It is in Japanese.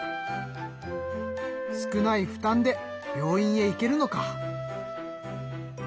少ない負担で病院へ行けるのか！